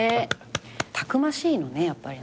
たくましいのねやっぱり。